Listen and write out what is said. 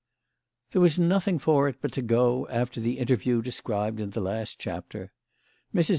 THERE was nothing for it but to go, after the inter view described in the last chapter. Mrs.